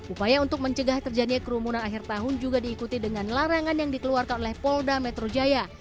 upaya untuk mencegah terjadinya kerumunan akhir tahun juga diikuti dengan larangan yang dikeluarkan oleh polda metro jaya